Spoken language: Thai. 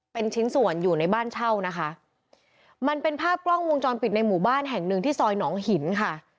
เป็นชิ้นส่วนอยู่ในบ้านเช่านะคะมันเป็นภาพกล้องวงจรปิดในหมู่บ้านแห่งหนึ่งที่ซอยหนองหินค่ะ